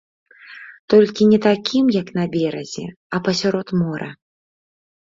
Толькі не на такім, які на беразе, а пасярод мора.